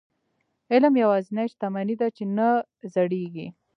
علم یوازینۍ شتمني ده چې نه زړيږي.